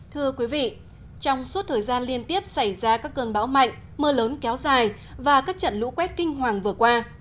thưa quý vị trong suốt thời gian liên tiếp xảy ra các cơn bão mạnh mưa lớn kéo dài và các trận lũ quét kinh hoàng vừa qua